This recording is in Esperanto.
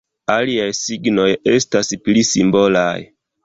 Aliaj signoj estas pli simbolaj.